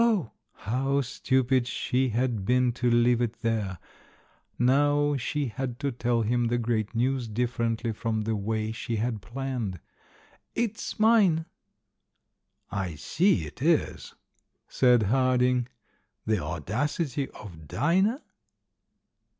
"Oh!" How stupid she had been to leave it there! Now she had to tell him the great news differently from the way she had planned. "It's mine." "I see it is," said Harding. " 'The Audacity of Dinah'?"